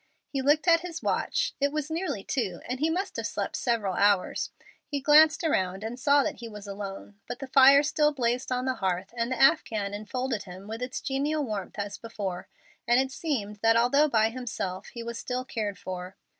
He looked at his watch; it was nearly two, and he must have slept several hours. He glanced around and saw that he was alone, but the fire still blazed on the hearth, and the afghan infolded him with its genial warmth as before, and it seemed that although by himself he was still cared for.